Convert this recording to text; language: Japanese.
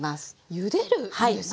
ゆでるんですね？